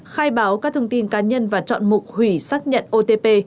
khai báo các thông tin cá nhân và chọn mục hủy xác nhận otp